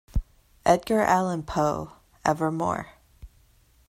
Edgar Allan Poe evermore.